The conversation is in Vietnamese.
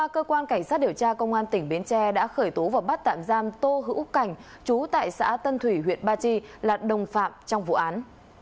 cơ quan cảnh sát điều tra công an tỉnh bến tre đã khởi tố và bắt tạm giam tô hữu cảnh chú tại xã tân thủy huyện ba chi là đồng phạm trong vụ án